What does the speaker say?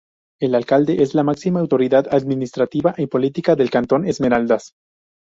El Alcalde es la máxima autoridad administrativa y política del Cantón Esmeraldas.